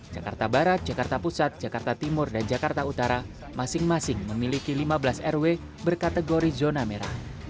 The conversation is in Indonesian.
jakarta barat jakarta pusat jakarta timur dan jakarta utara masing masing memiliki lima belas rw berkategori zona merah